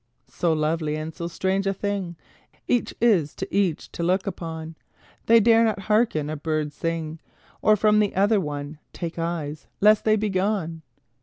So lovely and so strange a thing Each is to each to look upon, They dare not hearken a bird sing, Or from the other one Take eyes lest they be gone.